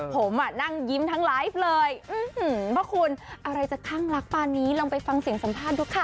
ผมนั่งยิ้มทั้งไลฟ์เลยว่าคุณอะไรจะคลั่งรักปานนี้ลองไปฟังเสียงสัมภาษณ์ดูค่ะ